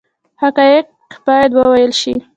حقایق باید وویل شي